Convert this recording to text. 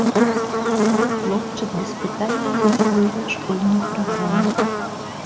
Хлопчык без пытанняў засвойвае школьную праграму.